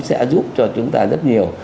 sẽ giúp cho chúng ta rất nhiều